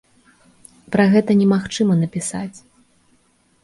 Пра гэта немагчыма напісаць!